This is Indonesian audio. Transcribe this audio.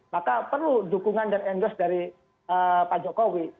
maka perlu dukungan dan endorse dari pak jokowi